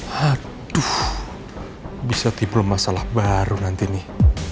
haduh bisa timbul masalah baru nanti nih